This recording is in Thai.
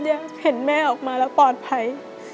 เห็นแม่ออกมาแล้วปลอดภัย